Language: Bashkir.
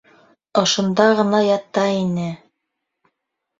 Ошонда ғына ята ине!